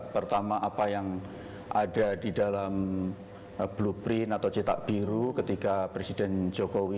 pertama apa yang ada di dalam blueprint atau cetak biru ketika presiden jokowi